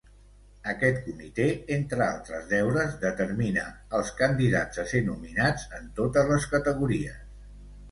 Aquest comitè, entre altres deures, determina els candidats a ser nominats en totes les categories.